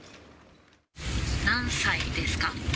何歳ですか？